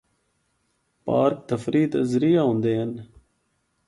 پارک تفریح دا ذریعہ ہوندے ہن۔